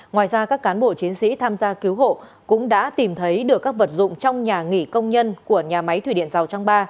ngoài ra các cán bộ chiến sĩ tham gia cứu hộ cũng đã tìm thấy được các vật dụng trong nhà nghỉ công nhân của nhà máy thủy điện rào trang ba